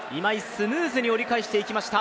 スムーズに折り返していきました